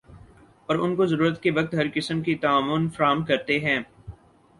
اور ان کو ضرورت کے وقت ہر قسم کی تعاون فراہم کرتے ہیں ۔